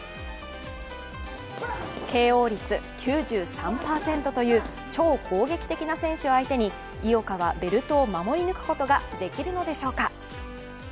ＫＯ率９３％という超攻撃的な選手を相手に井岡はベルトを守り抜くことができるのでしょうか。